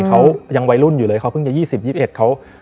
เขายังวัยรุ่นอยู่เลยเขาเพิ่งจะ๒๐๒๑เขา